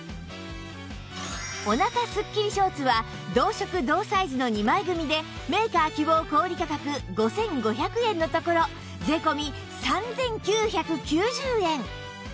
お腹すっきりショーツは同色同サイズの２枚組でメーカー希望小売価格５５００円のところ税込３９９０円